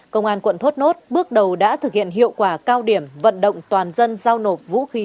công an quận thốt nốt bước đầu đã thực hiện hiệu quả cao điểm vận động toàn dân giao nộp vũ khí